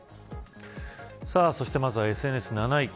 そして、まずはＳＮＳ７位。